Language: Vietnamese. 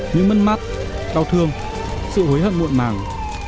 những mất mát đau thương sự hối hận muộn màng